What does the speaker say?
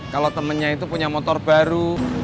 kalau temennya itu punya motor baru